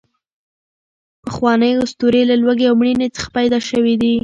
پخوانۍ اسطورې له لوږې او مړینې څخه پیدا شوې دي.